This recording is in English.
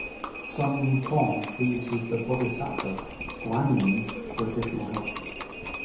Sun Wukong pleads with the bodhisattva Guanyin for additional help.